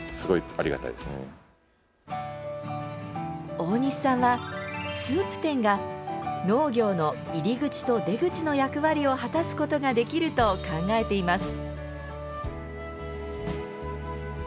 大西さんはスープ店が農業の入り口と出口の役割を果たすことができると考えています。